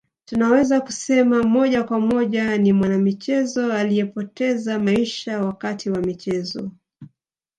Tunaweza kusema moja kwa moja ni mwanamichezo aliyepoteza maisha wakati wa michezo